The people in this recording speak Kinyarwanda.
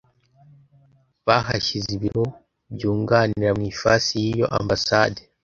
bahashyize ibiro byunganira mu ifasi y’iyo ambasade